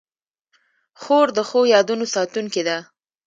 خور د ښو یادونو ساتونکې ده.